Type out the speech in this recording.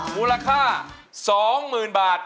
มูลค่า๒๐๐๐บาท